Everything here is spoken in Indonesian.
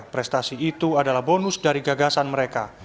prestasi itu adalah bonus dari gagasan mereka